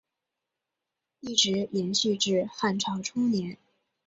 一直延续至汉朝初年。